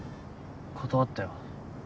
断ったよ